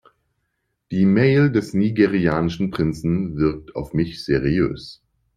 Die Mail des nigerianischen Prinzen wirkt auf mich seriös.